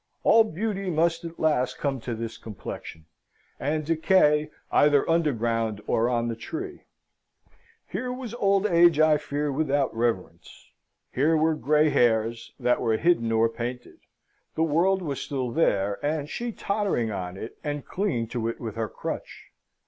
All beauty must at last come to this complexion; and decay, either underground or on the tree. Here was old age, I fear, without reverence. Here were grey hairs, that were hidden or painted. The world was still here, and she tottering on it, and clinging to it with her crutch.